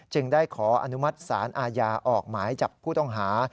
ได้ขออนุมัติศาลอาญาออกหมายจับผู้ต้องหา